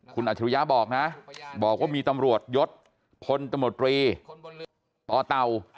คุณอัจฉริยะบอกนะบอกว่ามีตำรวจยศพลตมตรีต่อเต่า